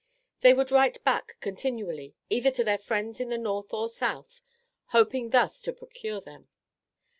They would write back continually, either to their friends in the North or South, hoping thus to procure them.